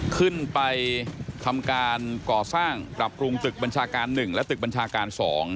ขึ้นไปทำการก่อสร้างปรับปรุงตึกบัญชาการ๑และตึกบัญชาการ๒